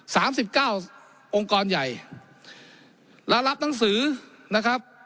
สามสิบเก้าองค์กรใหญ่และรับหนังสือนะครับ